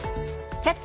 「キャッチ！